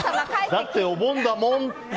だってお盆だもん！